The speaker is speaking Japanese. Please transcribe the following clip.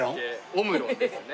オムロンですね。